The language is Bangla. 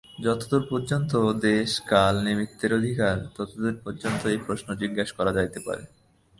যতদূর পর্যন্ত দেশ-কাল-নিমিত্তের অধিকার, ততদূর পর্যন্ত এই প্রশ্ন জিজ্ঞাসা করা যাইতে পারে।